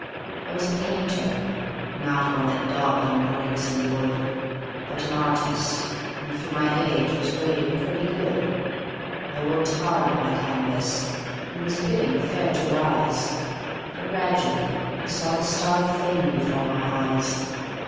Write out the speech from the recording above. "I was a painter not one that daubed on bricks and wood, But an artist, and for my age, was rated pretty good. I worked hard at my canvas, and was bidding fair to rise, For gradually I saw the star of fame before my eyes.